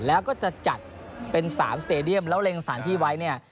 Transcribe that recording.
แล้วก็จะจัดเป็น๓สเตดียมแล้วเล็งสถานที่ไว้เนี่ย